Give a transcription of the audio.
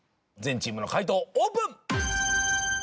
全チームの解答オープン！